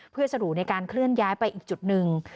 เพื่อสะดวกในการเคลื่อนย้ายไปอีกจุดหนึ่ง